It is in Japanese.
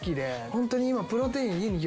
ホントに今。